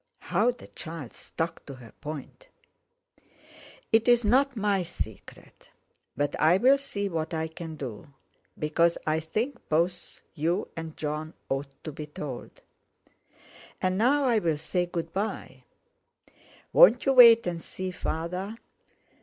How the child stuck to her point "It's not my secret. But I'll see what I can do, because I think both you and Jon ought to be told. And now I'll say good bye." "Won't you wait and see Father?"